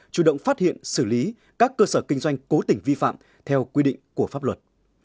chủ động phát hiện xử lý các cơ sở kinh doanh cố tình vi phạm theo quy định của pháp luật